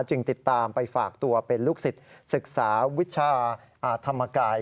จึงติดตามไปฝากตัวเป็นลูกศิษย์ศึกษาวิชาธรรมกาย